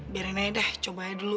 biarin aja deh coba aja dulu